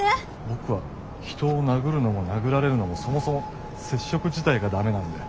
僕は人を殴るのも殴られるのもそもそも接触自体が駄目なんで。